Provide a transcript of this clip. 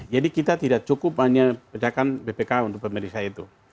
jadi kita tidak cukup hanya pendekatan bpk untuk pemeriksa itu